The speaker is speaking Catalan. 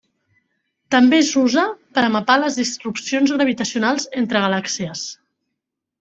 També s'usa per a mapar les disrupcions gravitacionals entre galàxies.